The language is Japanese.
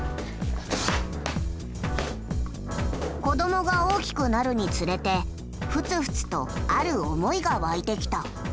子どもが大きくなるにつれてふつふつとある思いが湧いてきた。